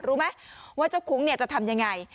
รู้ไหมว่าเจ้าคุ้งจะทำยังไง